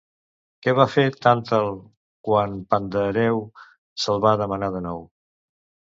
Què va fer Tàntal quan Pandàreu se'l va demanar de nou?